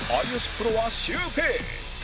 プロはシュウペイ